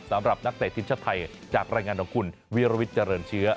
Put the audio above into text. สำหรับนักเตะทีมชาติไทยจากรายงานของคุณวิรวิทย์เจริญเชื้อ